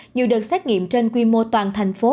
nhiều đợt xét nghiệm trên quy mô toàn thành phố